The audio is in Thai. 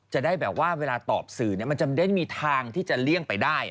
จะได้แบบว่าเวลาตอบสื่อมันจะได้มีทางที่จะเลี่ยงไปได้